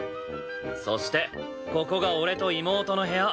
そしてここが俺と妹の部屋。